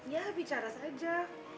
ya bicara saja